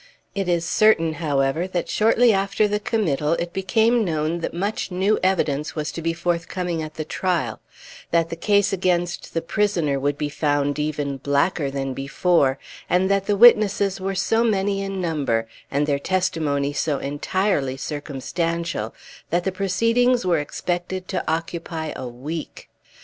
It is certain, however, that shortly after the committal it became known that much new evidence was to be forthcoming at the trial; that the case against the prisoner would be found even blacker than before; and that the witnesses were so many in number, and their testimony so entirely circumstantial, that the proceedings were expected to occupy a week.